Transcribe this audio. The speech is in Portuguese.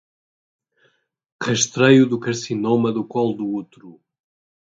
Rastreio do Carcinoma do Colo do Útero